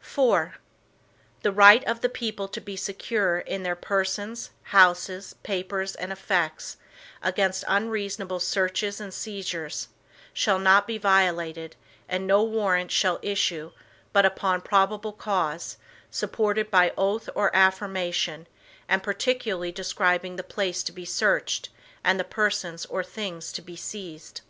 IV The right of the people to be secure in their persons, houses, papers, and effects, against unreasonable searches and seizures, shall not be violated, and no Warrants shall issue, but upon probable cause, supported by oath or affirmation, and particularly describing the place to be searched, and the persons or things to be seized.